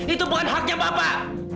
itu bukan haknya bapak